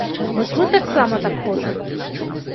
Вось мы таксама так хочам.